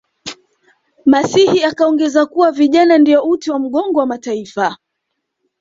masihi akaongeza kuwa vijana ndiyo uti wa mgongo wa mataifa